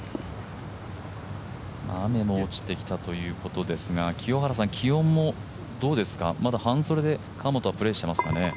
雨も落ちてきたということですが気温もどうですかまだ半袖で河本はプレーしてますが。